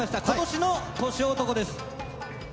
今年の年男です。